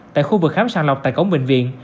tại khu vực khám sàng lọc tại cổng bệnh viện